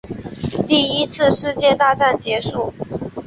第一次世界大战结束